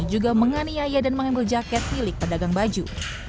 juga menganiaya dan mengambil jaket milik pedagang baju